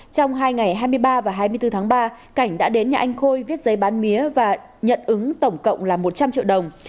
trong hai ngày hai mươi ba và hai mươi bốn tháng ba cảnh đã đến nhà anh khôi viết giấy bán mía và nhận ứng tổng cộng là một trăm linh triệu đồng